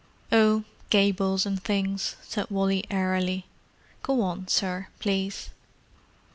"Oh, gables and things," said Wally airily. "Go on, sir, please."